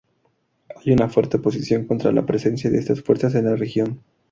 Hay una fuerte oposición contra la presencia de estas fuerzas en la región.